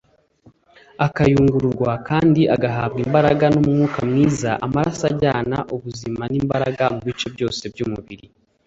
akayungururwa kandi agahabwa imbaraga n'umwuka mwiza, amaraso ajyana ubuzima n'imbaraga mu bice byose by'umubiri